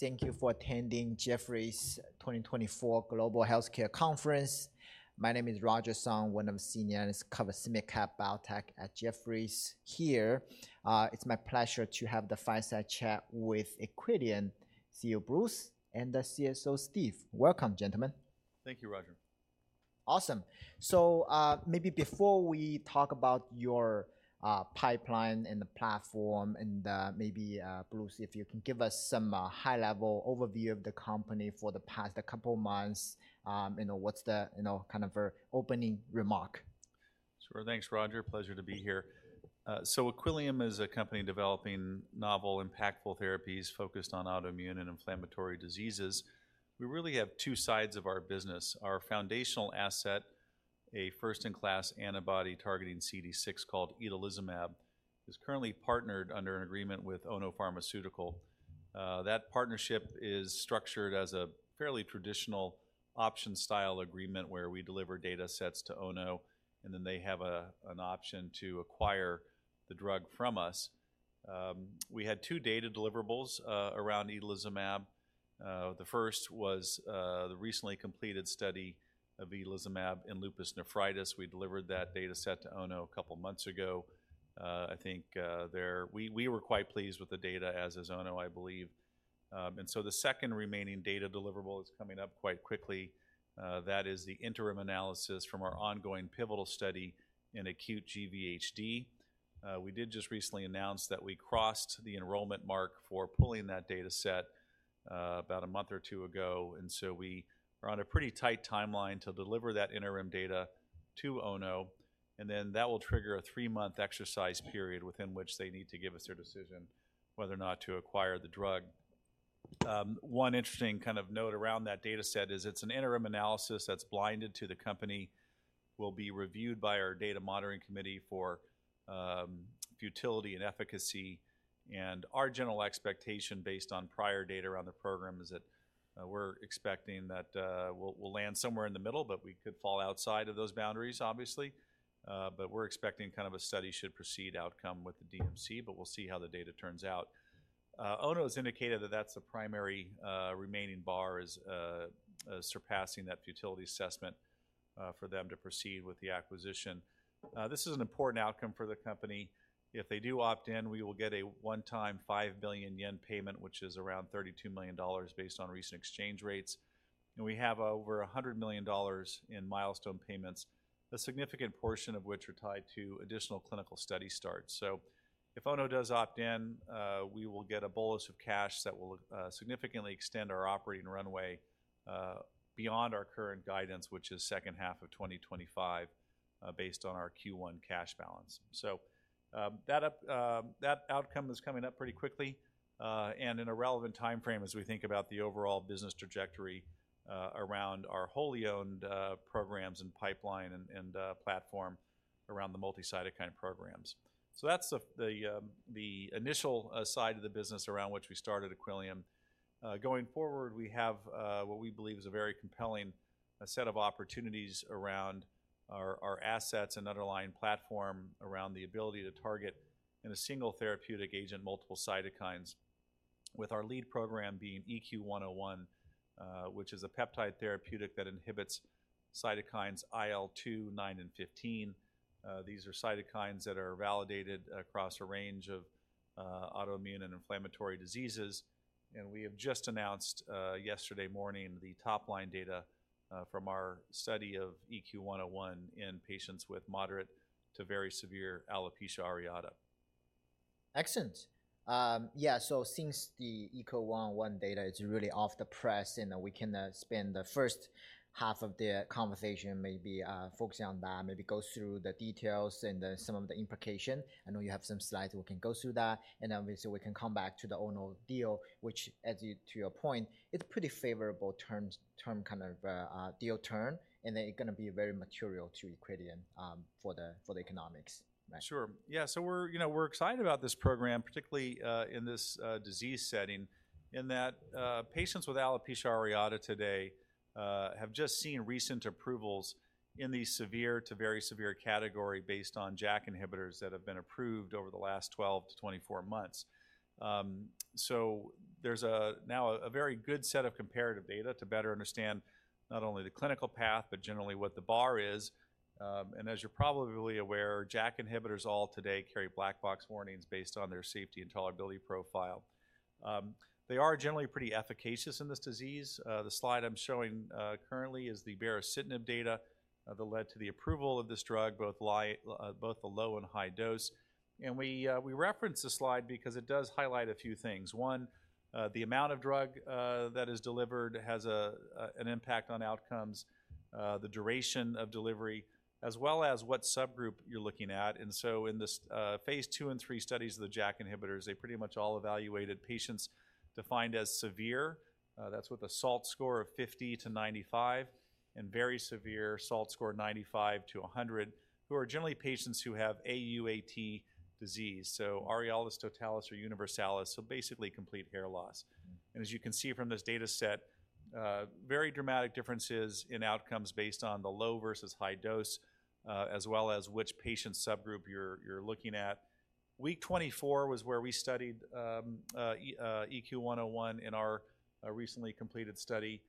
Thank you for attending Jefferies 2024 Global Healthcare Conference. My name is Roger Song, one of Senior Analysts cover SMID-cap Biotech at Jefferies here. It's my pleasure to have the fireside chat with Equillium CEO, Bruce, and the CSO, Steve. Welcome, gentlemen. Thank you, Roger. Awesome. So, maybe before we talk about your pipeline and the platform, and maybe, Bruce, if you can give us some high-level overview of the company for the past couple months. You know, what's the, you know, kind of opening remark? Sure. Thanks, Roger. Pleasure to be here. So Equillium is a company developing novel, impactful therapies focused on autoimmune and inflammatory diseases. We really have two sides of our business. Our foundational asset, a first-in-class antibody targeting CD6 called itolizumab, is currently partnered under an agreement with Ono Pharmaceutical. That partnership is structured as a fairly traditional option-style agreement, where we deliver data sets to Ono, and then they have an option to acquire the drug from us. We had two data deliverables around itolizumab. The first was the recently completed study of itolizumab in lupus nephritis. We delivered that data set to Ono a couple months ago. I think we were quite pleased with the data, as is Ono, I believe. And so the second remaining data deliverable is coming up quite quickly. That is the interim analysis from our ongoing pivotal study in acute GVHD. We did just recently announce that we crossed the enrollment mark for pulling that data set, about a month or two ago, and so we are on a pretty tight timeline to deliver that interim data to Ono, and then that will trigger a three-month exercise period within which they need to give us their decision whether or not to acquire the drug. One interesting kind of note around that data set is it's an interim analysis that's blinded to the company, will be reviewed by our Data Monitoring Committee for futility and efficacy. Our general expectation, based on prior data around the program, is that we're expecting that we'll land somewhere in the middle, but we could fall outside of those boundaries, obviously. But we're expecting kind of a study should proceed outcome with the DMC, but we'll see how the data turns out. Ono has indicated that that's the primary remaining bar is surpassing that futility assessment for them to proceed with the acquisition. This is an important outcome for the company. If they do opt in, we will get a one-time 5 billion yen payment, which is around $32 million based on recent exchange rates. We have over $100 million in milestone payments, a significant portion of which are tied to additional clinical study starts. If Ono does opt in, we will get a bolus of cash that will significantly extend our operating runway beyond our current guidance, which is second half of 2025, based on our Q1 cash balance. So, that outcome is coming up pretty quickly, and in a relevant timeframe as we think about the overall business trajectory, around our wholly owned programs and pipeline and platform around the multi-cytokine programs. So that's the initial side of the business around which we started Equillium. Going forward, we have what we believe is a very compelling set of opportunities around our assets and underlying platform, around the ability to target, in a single therapeutic agent, multiple cytokines, with our lead program being EQ101, which is a peptide therapeutic that inhibits cytokines IL-2, IL-9, and IL-15. These are cytokines that are validated across a range of autoimmune and inflammatory diseases, and we have just announced yesterday morning, the top-line data from our study of EQ101 in patients with moderate to very severe alopecia areata. Excellent. Yeah, so since the EQ101 data is really off the press, you know, we can spend the first half of the conversation maybe focusing on that, maybe go through the details and some of the implication. I know you have some slides. We can go through that, and then obviously we can come back to the Ono deal, which adds you-- to your point, it's pretty favorable terms, term, kind of deal term, and then it's gonna be very material to Equillium for the economics. Sure. Yeah. So we're, you know, we're excited about this program, particularly in this disease setting, in that patients with alopecia areata today have just seen recent approvals in the severe to very severe category based on JAK inhibitors that have been approved over the last 12-24 months. So there's now a very good set of comparative data to better understand not only the clinical path, but generally what the bar is. And as you're probably aware, JAK inhibitors all today carry black box warnings based on their safety and tolerability profile. They are generally pretty efficacious in this disease. The slide I'm showing currently is the baricitinib data that led to the approval of this drug, both the low and high dose. And we reference this slide because it does highlight a few things. One, the amount of drug that is delivered has an impact on outcomes, the duration of delivery, as well as what subgroup you're looking at. So in this phase II and III studies of the JAK inhibitors, they pretty much all evaluated patients defined as severe, that's with a SALT score of 50-95, and very severe SALT score, 95-100, who are generally patients who have AU/AT disease, so areata, totalis, or universalis, so basically complete hair loss. Mm-hmm. As you can see from this data set, very dramatic differences in outcomes based on the low versus high dose, as well as which patient subgroup you're looking at. Week 24 was where we studied EQ101 in our recently completed study.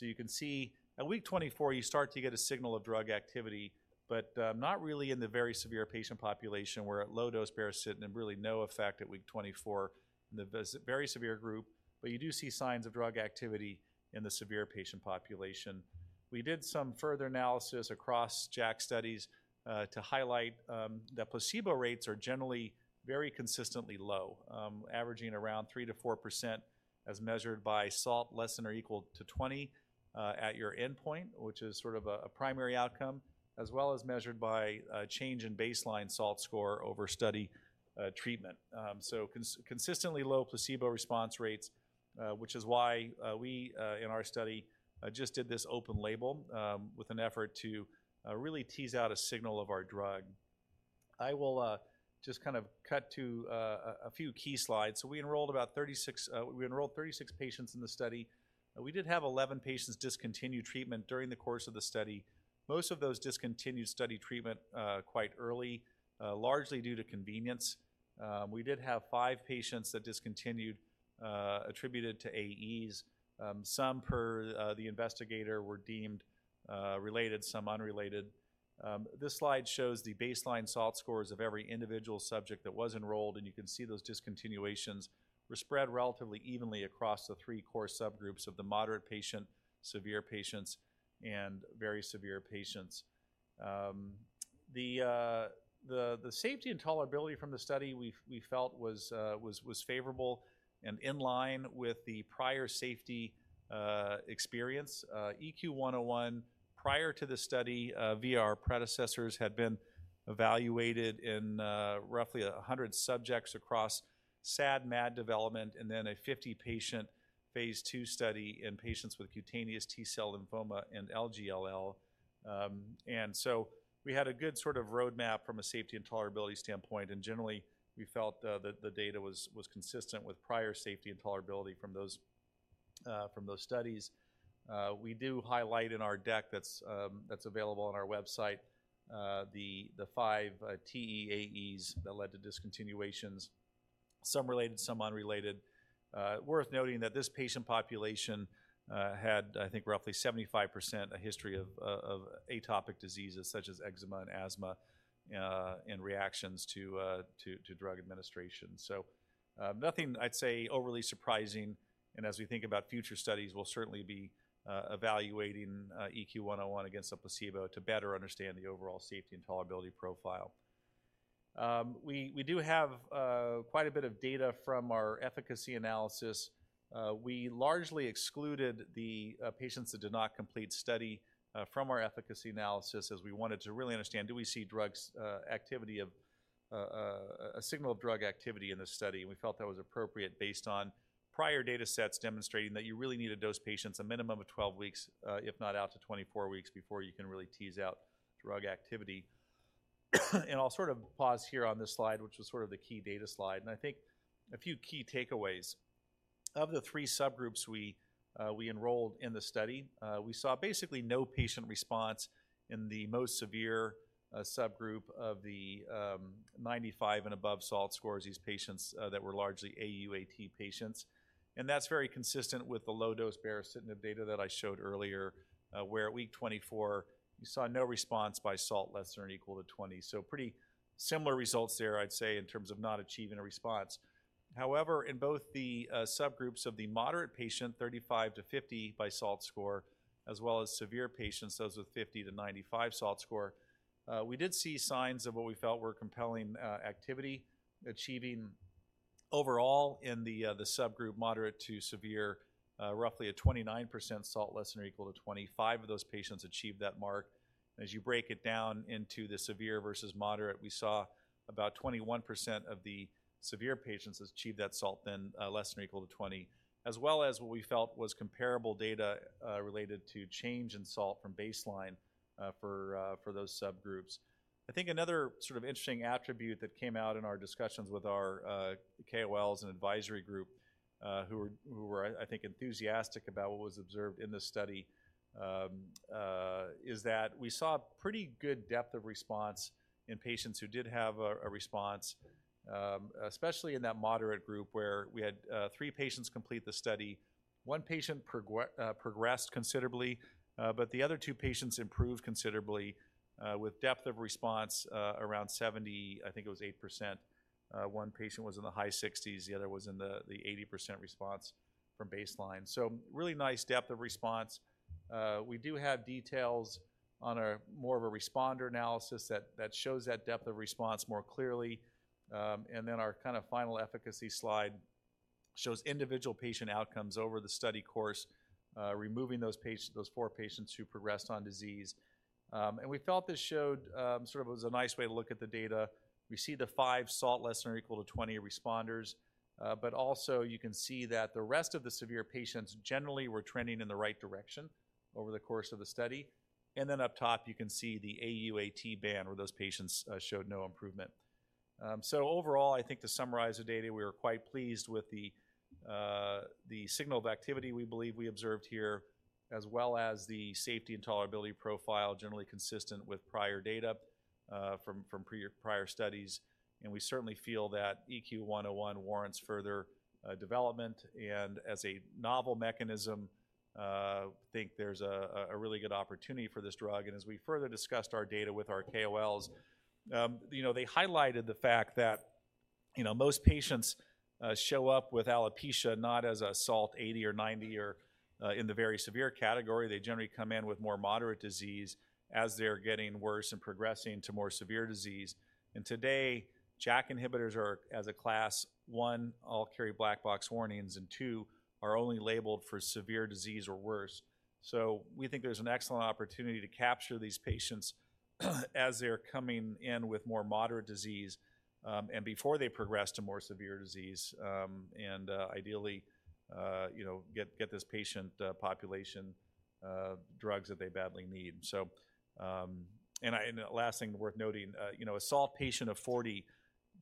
You can see at week 24, you start to get a signal of drug activity, but not really in the very severe patient population, where at low dose baricitinib really no effect at week 24 in the very severe group. But you do see signs of drug activity in the severe patient population. We did some further analysis across JAK studies to highlight that placebo rates are generally very consistently low, averaging around 3%-4% as measured by SALT less than or equal to 20 at your endpoint, which is sort of a primary outcome, as well as measured by a change in baseline SALT score over study treatment. So consistently low placebo response rates, which is why we in our study just did this open label with an effort to really tease out a signal of our drug. I will just kind of cut to a few key slides. So we enrolled about 36, we enrolled 36 patients in the study. We did have 11 patients discontinue treatment during the course of the study. Most of those discontinued study treatment quite early, largely due to convenience. We did have five patients that discontinued, attributed to AEs. Some, per the investigator, were deemed related, some unrelated. This slide shows the baseline SALT scores of every individual subject that was enrolled, and you can see those discontinuations were spread relatively evenly across the three core subgroups of the moderate patient, severe patients, and very severe patients. The safety and tolerability from the study we felt was favorable and in line with the prior safety experience. EQ101, prior to this study, via our predecessors, had been evaluated in roughly 100 subjects across SAD, MAD development, and then a 50-patient phase II study in patients with cutaneous T-cell lymphoma and LGLL. And so we had a good sort of roadmap from a safety and tolerability standpoint, and generally, we felt the data was consistent with prior safety and tolerability from those studies. We do highlight in our deck that's available on our website the five TEAEs that led to discontinuations, some related, some unrelated. Worth noting that this patient population had, I think, roughly 75% a history of atopic diseases such as eczema and asthma, and reactions to drug administration. So, nothing I'd say overly surprising, and as we think about future studies, we'll certainly be evaluating EQ101 against a placebo to better understand the overall safety and tolerability profile. We do have quite a bit of data from our efficacy analysis. We largely excluded the patients that did not complete study from our efficacy analysis, as we wanted to really understand, do we see drugs activity of a signal of drug activity in this study? We felt that was appropriate based on prior data sets demonstrating that you really need to dose patients a minimum of 12 weeks, if not out to 24 weeks, before you can really tease out drug activity. I'll sort of pause here on this slide, which is sort of the key data slide, and I think a few key takeaways. Of the three subgroups we enrolled in the study, we saw basically no patient response in the most severe subgroup of the 95 and above SALT scores, these patients that were largely AU/AT patients. That's very consistent with the low-dose baricitinib data that I showed earlier, where at week 24, you saw no response by SALT less than or equal to 20. So pretty similar results there, I'd say, in terms of not achieving a response. However, in both the subgroups of the moderate patient, 35-50 by SALT score, as well as severe patients, those with 50-95 SALT score, we did see signs of what we felt were compelling activity, achieving overall in the subgroup, moderate to severe, roughly 29% SALT less than or equal to 20. Five of those patients achieved that mark. As you break it down into the severe versus moderate, we saw about 21% of the severe patients achieve that SALT, then less than or equal to 20, as well as what we felt was comparable data related to change in SALT from baseline for those subgroups. I think another sort of interesting attribute that came out in our discussions with our KOLs and advisory group, who were, I think, enthusiastic about what was observed in this study, is that we saw pretty good depth of response in patients who did have a response, especially in that moderate group, where we had three patients complete the study. One patient progressed considerably, but the other two patients improved considerably, with depth of response around 78%, I think. One patient was in the high 60s, the other was in the 80% response from baseline. So really nice depth of response. We do have details on a more of a responder analysis that shows that depth of response more clearly. And then our kind of final efficacy slide shows individual patient outcomes over the study course, removing those patients, those four patients who progressed on disease. And we felt this showed, sort of was a nice way to look at the data. We see the five SALT less than or equal to 20 responders, but also you can see that the rest of the severe patients generally were trending in the right direction over the course of the study. And then up top, you can see the AU/AT band, where those patients showed no improvement. So overall, I think to summarize the data, we were quite pleased with the signal of activity we believe we observed here, as well as the safety and tolerability profile, generally consistent with prior data from prior studies. And we certainly feel that EQ101 warrants further development, and as a novel mechanism, think there's a really good opportunity for this drug. And as we further discussed our data with our KOLs, you know, they highlighted the fact that, you know, most patients show up with alopecia, not as a SALT 80 or 90 or in the very severe category. They generally come in with more moderate disease as they're getting worse and progressing to more severe disease. And today, JAK inhibitors are, as a class, one, all carry black box warnings, and two, are only labeled for severe disease or worse. So we think there's an excellent opportunity to capture these patients, as they're coming in with more moderate disease, and before they progress to more severe disease, and, ideally, you know, get this patient population drugs that they badly need. So, and the last thing worth noting, you know, a SALT patient of 40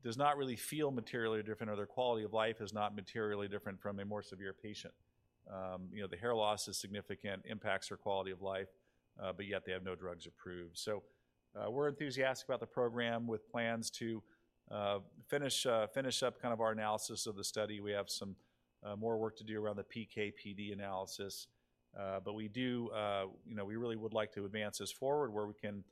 does not really feel materially different, or their quality of life is not materially different from a more severe patient. You know, the hair loss is significant, impacts their quality of life, but yet they have no drugs approved. So, we're enthusiastic about the program with plans to finish up kind of our analysis of the study. We have some more work to do around the PK/PD analysis, but we do, you know, we really would like to advance this forward, where we can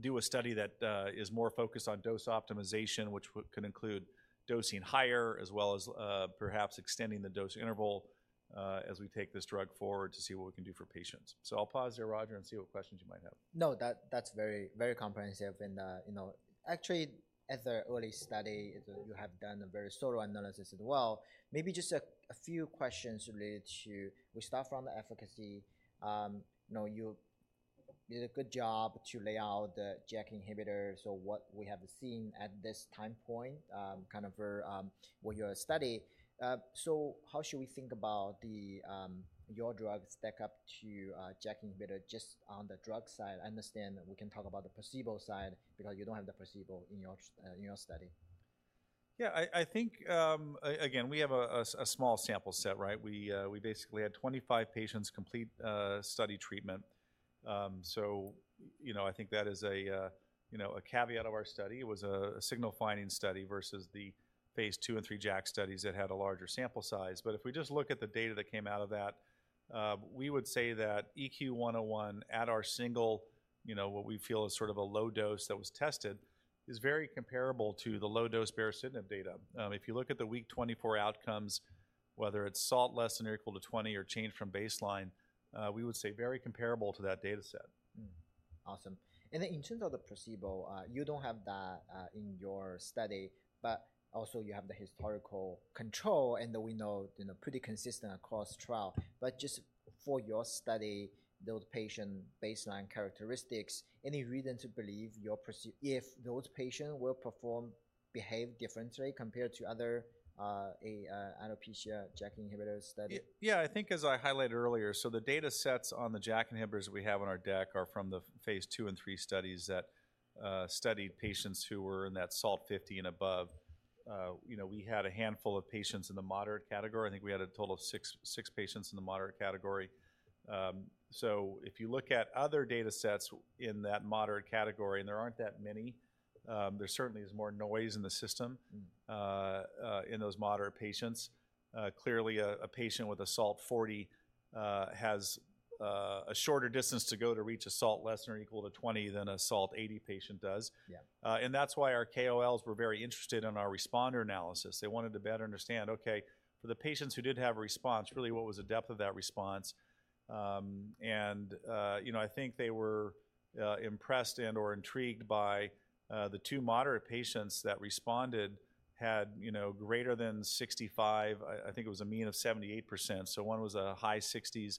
do a study that is more focused on dose optimization, which could include dosing higher, as well as perhaps extending the dose interval, as we take this drug forward to see what we can do for patients. So I'll pause there, Roger, and see what questions you might have. No, that, that's very, very comprehensive and, you know. Actually, at the early study, you have done a very thorough analysis as well. Maybe just a few questions related to—we start from the efficacy. You know, you did a good job to lay out the JAK inhibitor, so what we have seen at this time point, kind of for your study. So how should we think about the your drug stack up to JAK inhibitor, just on the drug side? I understand that we can talk about the placebo side because you don't have the placebo in your in your study. Yeah, I think, again, we have a small sample set, right? We basically had 25 patients complete study treatment. So, you know, I think that is a caveat of our study. It was a signal finding study versus the phase II and III JAK studies that had a larger sample size. But if we just look at the data that came out of that, we would say that EQ101 at our single, you know, what we feel is sort of a low dose that was tested, is very comparable to the low-dose baricitinib data. If you look at the week 24 outcomes, whether it's SALT less than or equal to 20 or change from baseline, we would say very comparable to that data set. Mm-hmm. Awesome. And then in terms of the placebo, you don't have that in your study, but also you have the historical control, and we know, you know, pretty consistent across trial. But just for your study, those patient baseline characteristics, any reason to believe if those patients will perform, behave differently compared to other alopecia JAK inhibitor study? Yeah, I think as I highlighted earlier, so the data sets on the JAK inhibitors we have on our deck are from the phase II and III studies that studied patients who were in that SALT 50 and above. You know, we had a handful of patients in the moderate category. I think we had a total of 6, 6 patients in the moderate category. So if you look at other data sets in that moderate category, and there aren't that many, there certainly is more noise in the system- Mm-hmm. In those moderate patients. Clearly, a patient with a SALT 40 has a shorter distance to go to reach a SALT less than or equal to 20 than a SALT 80 patient does. Yeah. And that's why our KOLs were very interested in our responder analysis. They wanted to better understand, okay, for the patients who did have a response, really, what was the depth of that response? And, you know, I think they were impressed and/or intrigued by the two moderate patients that responded, had, you know, greater than 65, I think it was a mean of 78%. So one was a high 60s,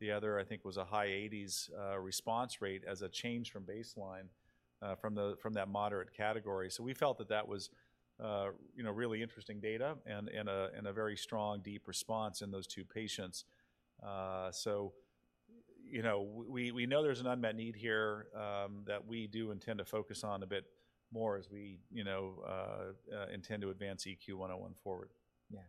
the other, I think, was a high 80s, response rate as a change from baseline, from that moderate category. So we felt that that was, you know, really interesting data and a very strong, deep response in those two patients. So, you know, we know there's an unmet need here, that we do intend to focus on a bit more as we, you know, intend to advance EQ101 forward. Yeah,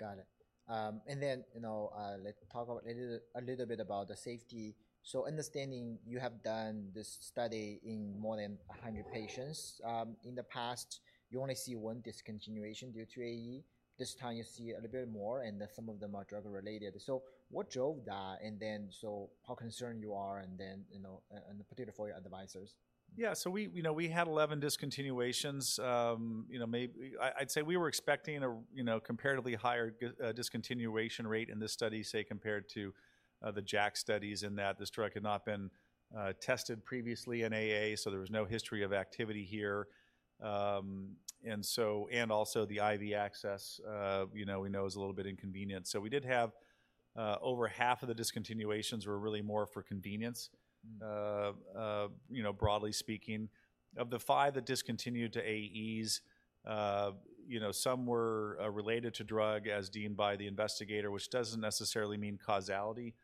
got it. And then, you know, let's talk about a little, a little bit about the safety. So understanding you have done this study in more than 100 patients, in the past, you only see one discontinuation due to AE. This time you see a little bit more, and some of them are drug-related. So what drove that? And then, so how concerned you are, and then, you know, and particularly for your advisors? Yeah. So we, you know, we had 11 discontinuations. You know, I, I'd say we were expecting a, you know, comparatively higher discontinuation rate in this study, say, compared to the JAK studies, in that this drug had not been tested previously in AA, so there was no history of activity here. And so, and also the IV access, you know, is a little bit inconvenient. So we did have over half of the discontinuations were really more for convenience- Mm-hmm.... you know, broadly speaking. Of the five that discontinued to AEs, you know, some were related to drug as deemed by the investigator, which doesn't necessarily mean causality.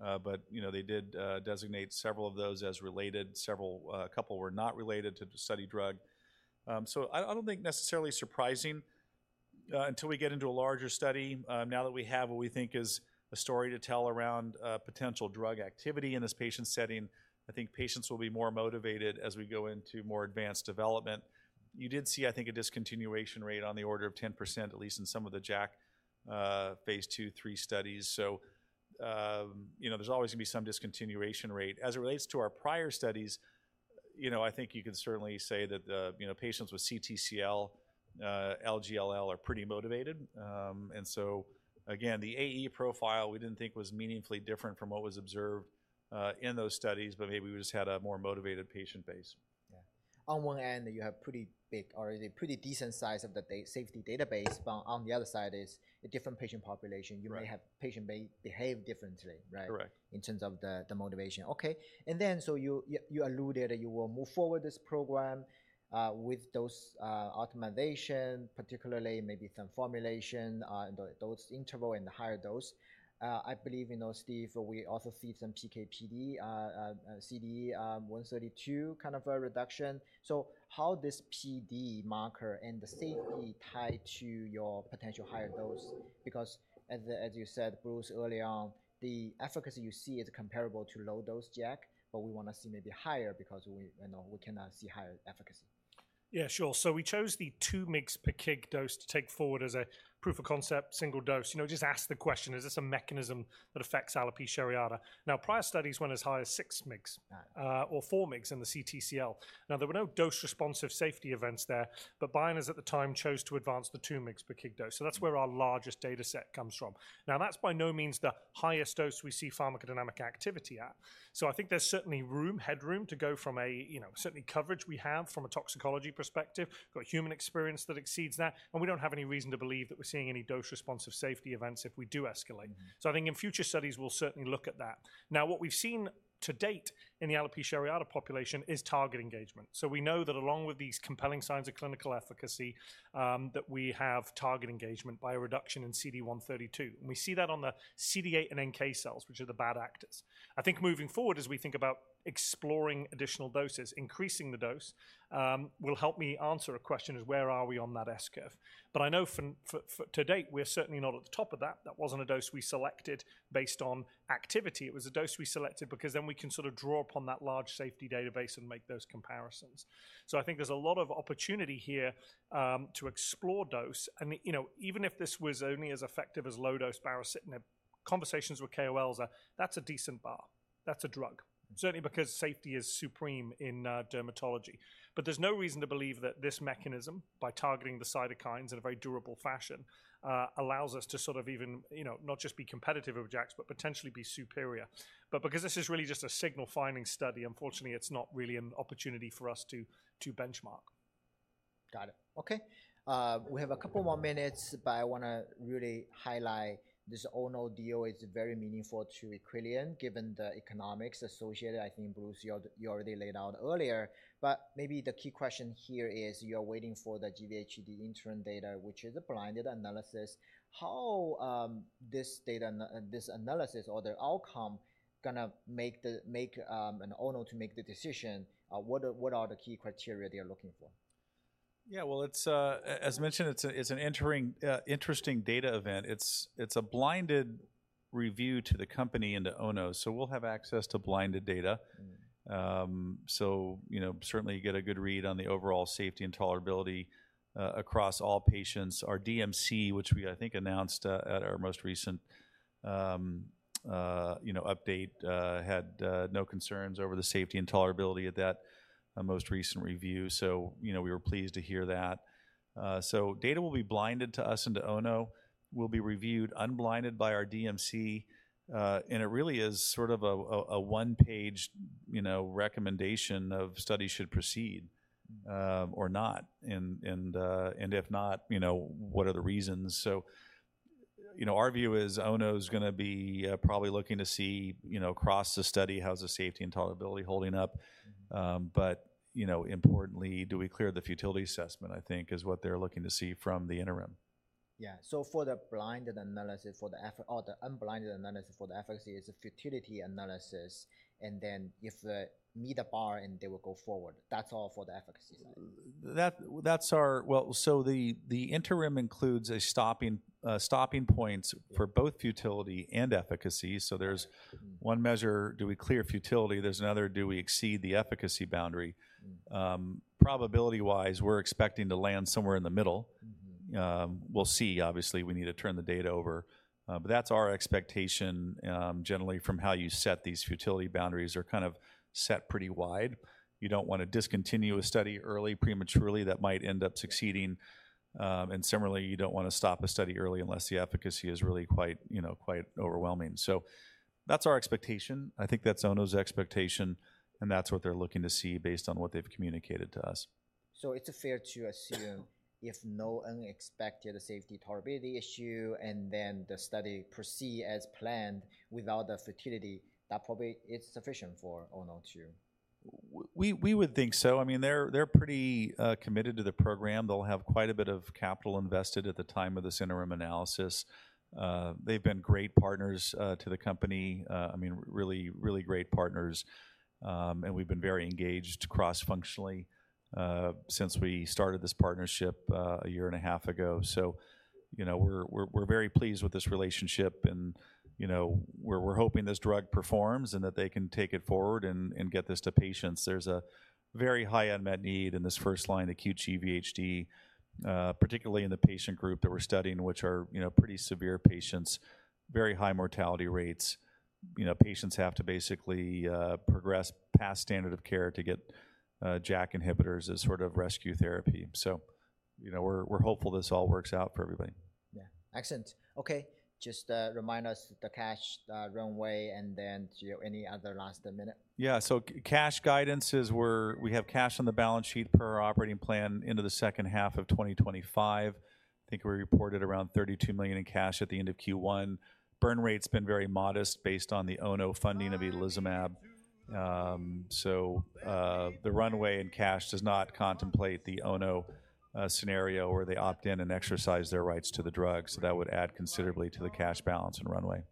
Mm-hmm. But, you know, they did designate several of those as related. Several, a couple were not related to the study drug. So I don't think necessarily surprising... until we get into a larger study, now that we have what we think is a story to tell around potential drug activity in this patient setting, I think patients will be more motivated as we go into more advanced development. You did see, I think, a discontinuation rate on the order of 10%, at least in some of the JAK phase II, III studies. So, you know, there's always gonna be some discontinuation rate. As it relates to our prior studies, you know, I think you can certainly say that the, you know, patients with CTCL, LGLL are pretty motivated. And so again, the AE profile we didn't think was meaningfully different from what was observed in those studies, but maybe we just had a more motivated patient base. Yeah. On one end, you have pretty big or a pretty decent size of the data safety database, but on the other side is a different patient population. Right. You may have patient may behave differently, right? Correct. In terms of the motivation. Okay, and then, so you alluded that you will move forward this program with those optimization, particularly maybe some formulation, dose, interval, and the higher dose. I believe, you know, Steve, we also see some PK/PD, CD132 kind of a reduction. So how this PD marker and the safety tie to your potential higher dose? Because as you said, Bruce, early on, the efficacy you see is comparable to low-dose JAK, but we wanna see maybe higher because we, you know, we cannot see higher efficacy. Yeah, sure. So we chose the 2 mg per kg dose to take forward as a proof of concept, single dose. You know, just ask the question, is this a mechanism that affects alopecia areata? Now, prior studies went as high as 6 mg- Yeah or 4 mg in the CTCL. Now, there were no dose-responsive safety events there, but we at the time chose to advance the 2 mg per kg dose. So that's where our largest dataset comes from. Now, that's by no means the highest dose we see pharmacodynamic activity at. So I think there's certainly room, headroom, to go from, you know, certainly coverage we have from a toxicology perspective. Got human experience that exceeds that, and we don't have any reason to believe that we're seeing any dose-responsive safety events if we do escalate. So I think in future studies, we'll certainly look at that. Now, what we've seen to date in the alopecia areata population is target engagement. So we know that along with these compelling signs of clinical efficacy, that we have target engagement by a reduction in CD132, and we see that on the CD8 and NK cells, which are the bad actors. I think moving forward, as we think about exploring additional doses, increasing the dose, will help me answer a question is where are we on that S-curve? But I know from, for, for to date, we're certainly not at the top of that. That wasn't a dose we selected based on activity. It was a dose we selected because then we can sort of draw upon that large safety database and make those comparisons. So I think there's a lot of opportunity here, to explore dose and, you know, even if this was only as effective as low-dose baricitinib, conversations with KOLs are, that's a decent bar. That's a drug. Certainly because safety is supreme in dermatology. But there's no reason to believe that this mechanism, by targeting the cytokines in a very durable fashion, allows us to sort of even, you know, not just be competitive with JAKs, but potentially be superior. But because this is really just a signal finding study, unfortunately, it's not really an opportunity for us to benchmark. Got it. Okay. We have a couple more minutes, but I wanna really highlight this Ono deal is very meaningful to Equillium, given the economics associated. I think, Bruce, you already, you already laid out earlier. But maybe the key question here is, you're waiting for the GVHD interim data, which is a blinded analysis. How this data this analysis or the outcome gonna make the, make an Ono to make the decision, what are the key criteria they're looking for? Yeah, well, as mentioned, it's an interesting data event. It's a blinded review to the company and to Ono, so we'll have access to blinded data. Mm-hmm. So, you know, certainly get a good read on the overall safety and tolerability across all patients. Our DMC, which we, I think, announced at our most recent, you know, update, had no concerns over the safety and tolerability at that most recent review, so, you know, we were pleased to hear that. So data will be blinded to us and to Ono, will be reviewed unblinded by our DMC, and it really is sort of a one-page, you know, recommendation of study should proceed or not. And if not, you know, what are the reasons? So, you know, our view is Ono's gonna be probably looking to see, you know, across the study, how's the safety and tolerability holding up? But, you know, importantly, do we clear the futility assessment, I think, is what they're looking to see from the interim. Yeah. So for the blinded analysis, or the unblinded analysis for the efficacy is a futility analysis, and then if they meet the bar, and they will go forward. That's all for the efficacy side. That, that's our... Well, so the interim includes stopping points for both futility and efficacy. So there's one measure, do we clear futility? There's another, do we exceed the efficacy boundary? Probability-wise, we're expecting to land somewhere in the middle. Mm-hmm. We'll see. Obviously, we need to turn the data over, but that's our expectation, generally from how you set these futility boundaries are kind of set pretty wide. You don't want to discontinue a study early prematurely that might end up succeeding, and similarly, you don't wanna stop a study early unless the efficacy is really quite, you know, quite overwhelming. So that's our expectation. I think that's Ono's expectation, and that's what they're looking to see based on what they've communicated to us. It's fair to assume if no unexpected safety tolerability issue, and then the study proceed as planned without the futility, that probably is sufficient for Ono too? We would think so. I mean, they're pretty committed to the program. They'll have quite a bit of capital invested at the time of this interim analysis. They've been great partners to the company. I mean, really, really great partners. And we've been very engaged cross-functionally since we started this partnership a year and a half ago. So, you know, we're very pleased with this relationship, and, you know, we're hoping this drug performs and that they can take it forward and get this to patients. There's a very high unmet need in this first-line acute GVHD, particularly in the patient group that we're studying, which are, you know, pretty severe patients, very high mortality rates. You know, patients have to basically progress past standard of care to get JAK inhibitors as sort of rescue therapy. So, you know, we're hopeful this all works out for everybody. Yeah. Excellent. Okay, just, remind us the cash, runway, and then do you any other last minute? Yeah. So cash guidance is we have cash on the balance sheet per our operating plan into the second half of 2025. I think we reported around $32 million in cash at the end of Q1. Burn rate's been very modest based on the Ono funding of itolizumab. So, the runway and cash does not contemplate the Ono scenario, where they opt in and exercise their rights to the drug, so that would add considerably to the cash balance and runway.